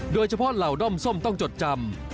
โดยเฉพาะเหล่าด้อมส้มต้องจดจำ